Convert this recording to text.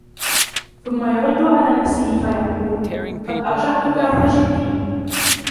ثُمَّ يَرُدُّ عَلَى نَفْسِهِ فَيَقُولُ قَدْ أَرْجَعْتُك فَجِدِّي